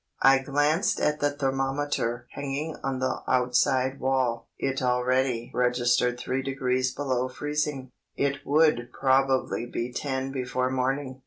I glanced at the thermometer hanging on the outside wall; it already registered three degrees below freezing; it would probably be ten before morning.